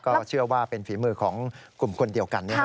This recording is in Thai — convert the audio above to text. ก็เชื่อว่าเป็นฝีมือของกลุ่มคนเดียวกันนะฮะ